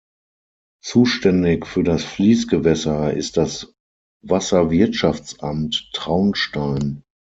Zuständig für das Fließgewässer ist das Wasserwirtschaftsamt Traunstein.